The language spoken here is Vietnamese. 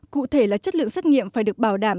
cụ thể là chất lượng xét nghiệm phải được bảo đảm